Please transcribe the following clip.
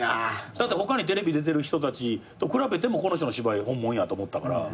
だって他にテレビ出てる人たちと比べてもこの人の芝居本物やと思ったから。